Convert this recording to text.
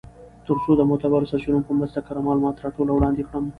تر څو د معتبرو سرچینو په مرسته کره معلومات راټول او وړاندی کړم .